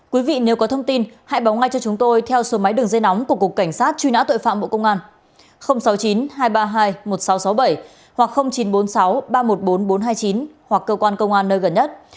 quý vị nếu có thông tin hãy báo ngay cho chúng tôi theo số máy đường dây nóng của cục cảnh sát truy nã tội phạm bộ công an sáu mươi chín hai trăm ba mươi hai một nghìn sáu trăm sáu mươi bảy hoặc chín trăm bốn mươi sáu ba trăm một mươi bốn nghìn bốn trăm hai mươi chín hoặc cơ quan công an nơi gần nhất